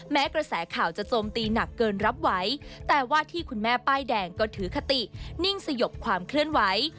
แม้กระแสข่าวจะโจมตีหนักเกินรับไหวแต่ว่าที่คุณแม่ป้ายแดงก็ถือคตินิ่งสยบความเคลื่อนไหว